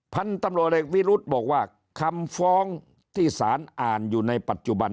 พันธุ์ตำรวจเอกวิรุธบอกว่าคำฟ้องที่สารอ่านอยู่ในปัจจุบัน